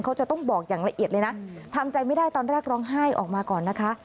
เขาจะต้องบอกอย่างละเอียดเลยนะทำใจไม่ได้ตอนแรกร้องไห้ออกมาก่อนนะคะ